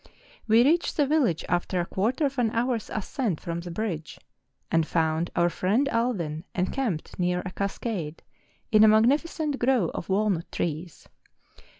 We reached the village after a quarter of an hour's ascent from the bridge, and found our friend Allwyn encamped near a cas¬ cade in a magnificent grove of walnut trees.